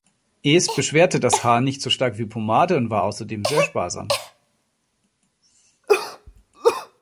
Es beschwerte das Haar nicht so stark wie Pomade und war außerdem sehr sparsam.